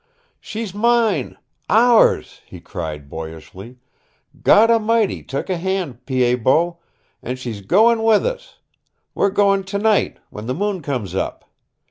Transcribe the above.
"She's mine ours," he cried boyishly. "God A'mighty took a hand, Pied Bot, and she's going with us! We're going tonight, when the moon comes up.